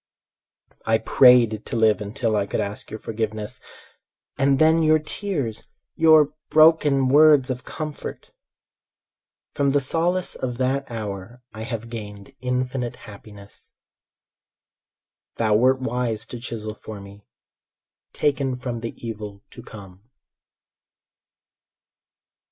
I prayed to live until I could ask your forgiveness— And then your tears, your broken words of comfort! From the solace of that hour I have gained infinite happiness. Thou wert wise to chisel for me: "Taken from the evil to come."